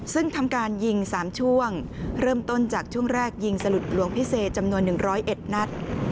ซึ่งทำการยิง๓ช่วงเริ่มต้นจากช่วงแรกยิงสลุดหลวงพิเศษจำนวน๑๐๑นัด